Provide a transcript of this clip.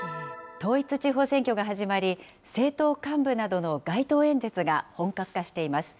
統一地方選挙が始まり、政党幹部などの街頭演説が本格化しています。